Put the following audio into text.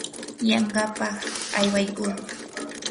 yanqapaq aywaykuu.